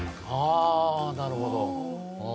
ああなるほど。